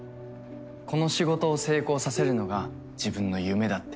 この仕事を成功させるのが自分の夢だって。